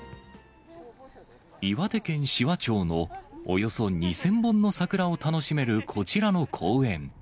岩手県紫波町のおよそ２０００本の桜を楽しめるこちらの公園。